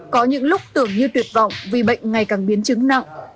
có những lúc tưởng như tuyệt vọng vì bệnh ngày càng biến chứng nặng